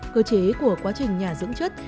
cơ chế của quá trình nhả dưỡng chất